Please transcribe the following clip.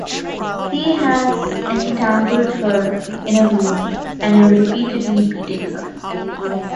He has entangled her in a room and is repeatedly beating her.